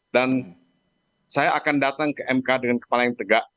dan saya akan datang ke mk dengan kepala yang tegak